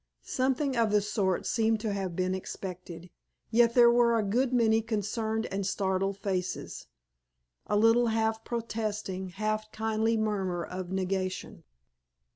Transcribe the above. Something of the sort seemed to have been expected, yet there were a good many concerned and startled faces; a little half protesting, half kindly murmur of negation.